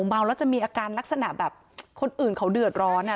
เมาแล้วจะมีอาการลักษณะแบบคนอื่นเขาเดือดร้อนอ่ะ